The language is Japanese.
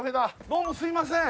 どうもすいません。